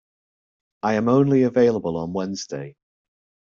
I am only available on Wednesday.